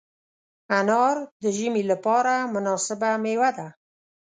انار د ژمي لپاره مناسبه مېوه ده.